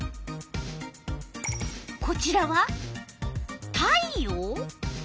こちらは「太陽」？